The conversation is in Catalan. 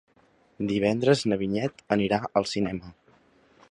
Divendres na Vinyet anirà al cinema.